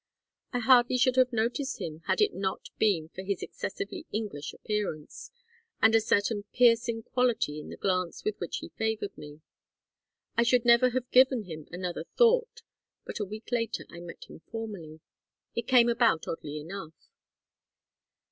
I hardly should have noticed him had it not been for his excessively English appearance, and a certain piercing quality in the glance with which he favored me. I should never have given him another thought, but a week later I met him formally. It came about oddly enough.